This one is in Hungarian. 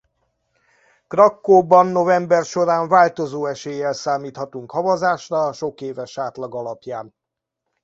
Krakkóban november során változó eséllyel számíthatunk havazásra a sokéves átlag alapján.